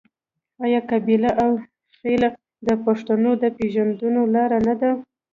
آیا قبیله او خیل د پښتنو د پیژندنې لار نه ده؟